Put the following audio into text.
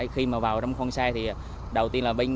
khi mà vào trong con xe thì đầu tiên là binh